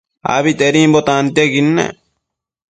Abitedimbo tantiaquid nec